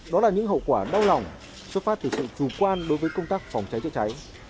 đó là những hậu quả đau lòng xuất phát từ sự chủ quan đối với công tác phòng cháy chữa cháy